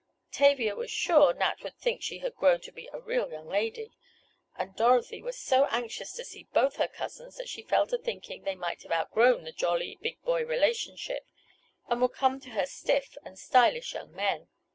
Tavia was sure Nat would think she had grown to be a real young lady, and Dorothy was so anxious to see both her cousins, that she fell to thinking they might have outgrown the jolly, big boy relationship, and would come to her stiff and stylish young men.